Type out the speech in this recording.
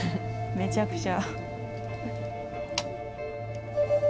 めちゃくちゃ。